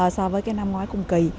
so với cái năm ngoái cùng kỳ